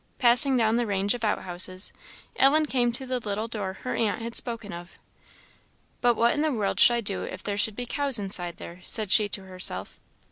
Passing down the range of outhouses, Ellen came to the little door her aunt had spoken of. "But what in the world should I do if there should be cows inside there?" said she to herself.